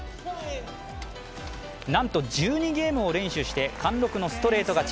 なんと１２ゲームを連取して貫禄のストレート勝ち。